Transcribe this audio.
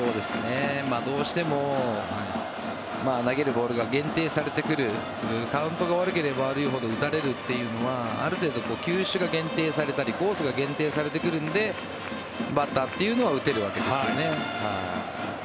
どうしても投げるボールが限定されてくるカウントが悪ければ悪いほど打たれるというのはある程度、球種が限定されたりコースが限定されてくるのでバッターというのは打てるわけですよね。